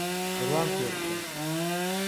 بڕوام پێبکە